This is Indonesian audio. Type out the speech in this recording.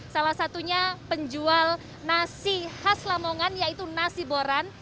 salah satunya penjual nasi khas lamongan yaitu nasi boran